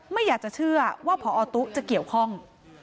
ไม่อยากจะเชื่อว่าพอตุ๊จะเกี่ยวข้อง